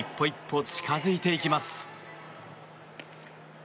一歩、近付いていきます。